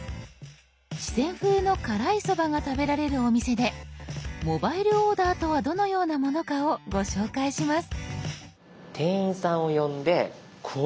四川風の辛いソバが食べられるお店で「モバイルオーダー」とはどのようなものかをご紹介します。